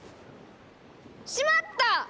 しまった！